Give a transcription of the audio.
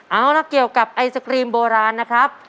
เอาละเกี่ยวกับไอศกรีมโบราณนะครับ